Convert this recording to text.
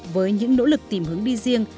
với những nỗ lực tìm hướng đi riêng